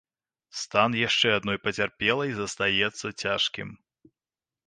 Стан яшчэ адной пацярпелай застаецца цяжкім.